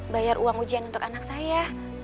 bayar uang ujian untuk anak saya